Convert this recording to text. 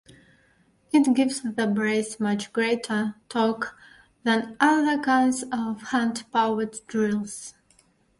It gives the brace much greater torque than other kinds of hand-powered drills.